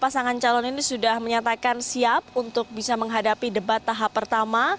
pasangan calon ini sudah menyatakan siap untuk bisa menghadapi debat tahap pertama